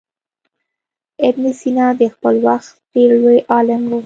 ابن سینا د خپل وخت ډېر لوی عالم و.